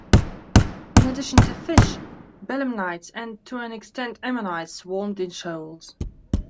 In addition to fish, belemnites and to an extent ammonites swarmed in shoals.